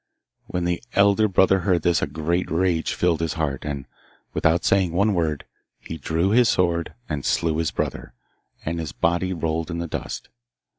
When the elder brother heard this a great rage filled his heart, and, without saying one word, he drew his sword and slew his brother, and his body rolled in the dust.